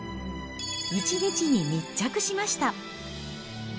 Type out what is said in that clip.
一日に密着しました。